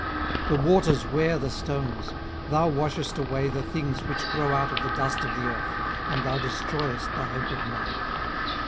18:014:019 The waters wear the stones: thou washest away the things which grow out of the dust of the earth; and thou destroyest the hope of man.